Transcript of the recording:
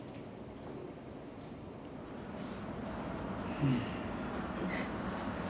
うん。